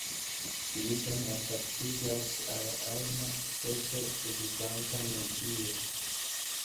Ili bone adaptiĝas al ajna speco de vivanta medio.